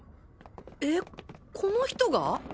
えっこの人が！？